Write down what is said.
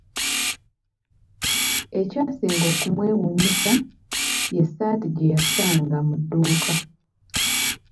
Ekyasinga okumwewuunyisa y'essaati gye yasanga mu dduuka.